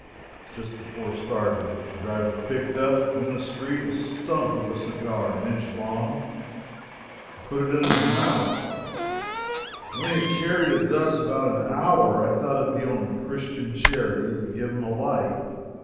Just before starting, the driver picked up, in the street, a stump of a cigar an inch long, and put it in his mouth. When he had carried it thus about an hour, I thought it would be only Christian charity to give him a light.